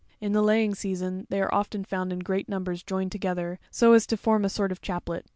In the laying season, they are often found in great numbers joined together, so as to form a sort of chaplet.